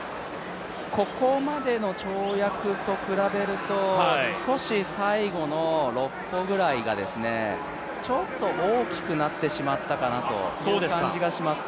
ここまでの跳躍と比べると少し最後の６歩ぐらいがちょっと大きくなってしまったかなという感じがします。